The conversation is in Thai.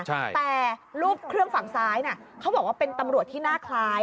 แต่รูปเครื่องฝั่งซ้ายน่ะเขาบอกว่าเป็นตำรวจที่หน้าคล้าย